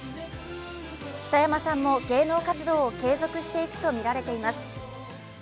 北山さんも芸能活動を継続していくとみられています。